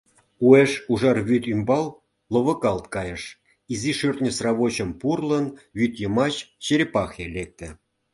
Уэш ужар вӱд ӱмбал ловыкалт кайыш, изи шӧртньӧ сравочым пурлын, вӱд йымач черепахе лекте.